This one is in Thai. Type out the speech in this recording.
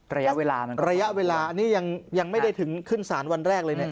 ระยะเวลานั้นระยะเวลาอันนี้ยังไม่ได้ถึงขึ้นสารวันแรกเลยเนี่ย